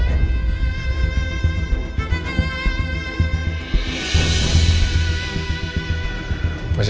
masih gak aktif lagi handphonenya